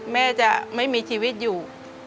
แม่จะไม่มีชีวิตอยู่